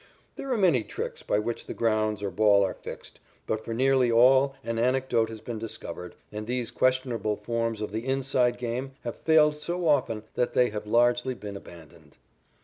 There are many tricks by which the grounds or ball are "fixed," but for nearly all an antidote has been discovered, and these questionable forms of the "inside" game have failed so often that they have largely been abandoned.